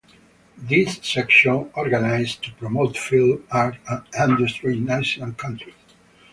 This section organized to promote film art and industry in Asian countries.